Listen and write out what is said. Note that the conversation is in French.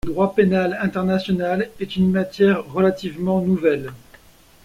Le droit pénal international est une matière relativement nouvelle.